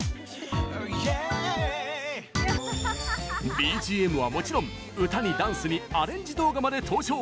ＢＧＭ はもちろん歌にダンスにアレンジ動画まで登場。